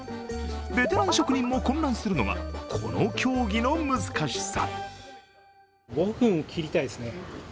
ベテラン職人も混乱するのがこの競技の難しさ。